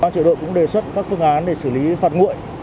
các trường đội cũng đề xuất các phương án để xử lý phạt nguội